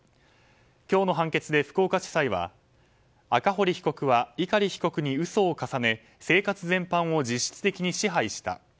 今日の判決で福岡地裁は赤堀被告は碇被告に嘘を重ね生活全般を実質的に支配した。